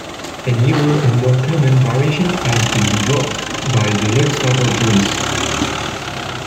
A newer, and more common variation, has been developed by Deluxe Laboratories.